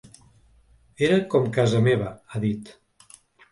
Era com casa meva, ha dit.